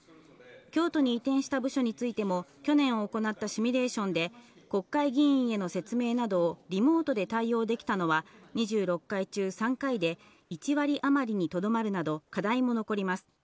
京都に移転した部署についても去年行ったシミュレーションで国会議員への説明などをリモートで対応できたのは２６回中３回で、１割余りにとどまるなど、課題も残ります。